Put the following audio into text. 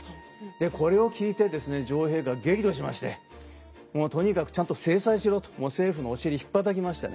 でこれを聞いてですね女王陛下激怒しましてもうとにかくちゃんと制裁しろと政府のお尻ひっぱたきましてね